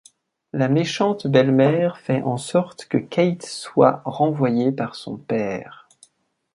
La méchante belle-mère fait en sorte que Kate soit renvoyée par son père.